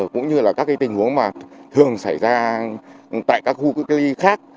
cũng như là các tình huống mà thường xảy ra tại các khu cách ly khác